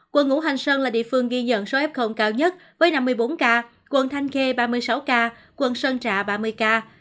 quận ngũ hành sơn là địa phương ghi nhận số f cao nhất với năm mươi bốn ca quận thanh khê ba mươi sáu ca quận sơn trà ba mươi ca